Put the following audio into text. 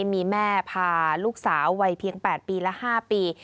มีแม่พาลูกสาววัยเพียง๘ปีและ๕ปี